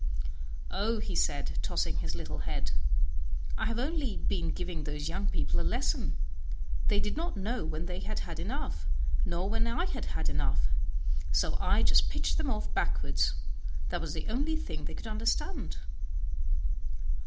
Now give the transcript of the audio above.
"Oh!" said he, tossing his little head, "I have only been giving those young people a lesson; they did not know when they had had enough, nor when I had had enough, so I just pitched them off backward; that was the only thing they could understand."